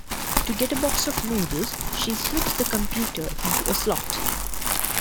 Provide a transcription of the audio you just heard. To get a box of noodles, she slips the computer into a slot.